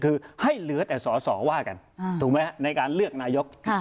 คือให้เหลือแต่สอสอว่ากันถูกไหมครับในการเลือกนายก